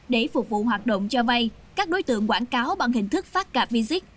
để phục vụ hoạt động cho vay các đối tượng quảng cáo bằng hình thức phát cạp visit